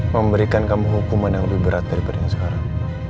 memberikan kamu hukuman yang lebih berat daripada yang sekarang